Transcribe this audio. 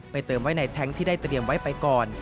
เติมไว้ในแท้งที่ได้เตรียมไว้ไปก่อน